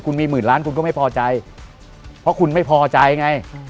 คุณมีหมื่นล้านคุณก็ไม่พอใจเพราะคุณไม่พอใจไง